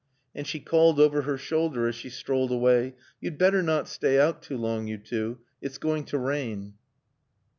And she called over her shoulder as she strolled away, "You'd better not stay out too long, you two. It's going to rain."